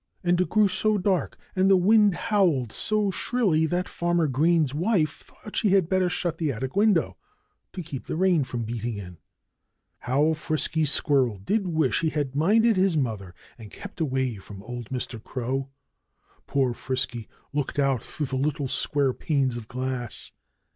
And it grew so dark, and the wind howled so shrilly, that Farmer Green's wife thought she had better shut the attic window, to keep the rain from beating in. How Frisky Squirrel did wish he had minded his mother and kept away from old Mr. Crow! Poor Frisky looked out through the little square panes of glass.